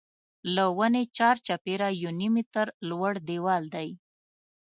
له ونې چار چاپېره یو نیم متر لوړ دیوال دی.